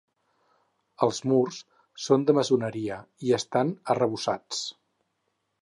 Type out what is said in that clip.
Els murs són de maçoneria i estan arrebossats.